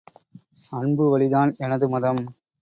அன்பு வழிதான் எனது மதம்!